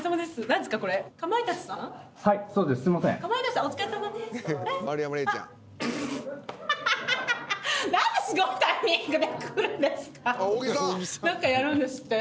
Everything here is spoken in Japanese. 何かやるんですって。